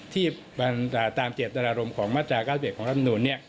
ที่ตามเจตรารมต์ของมาตรา๙๑ของลำนูน